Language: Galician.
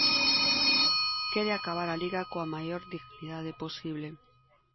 Quere acabar a Liga coa maior dignidade posible.